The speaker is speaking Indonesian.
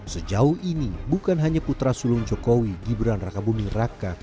sejauh ini bukan hanya putra sulung jokowi gibran raka bumi raka